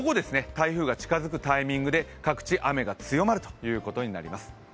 台風が近づくタイミングで各地、雨が強まるということになります。